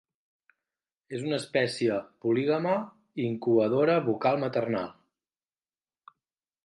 És una espècie polígama i incubadora bucal maternal.